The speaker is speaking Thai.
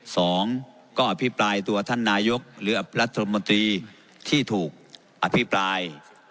สองก็อภิปรายตัวท่านนายกหรือรัฐมนตรีที่ถูกอภิปราย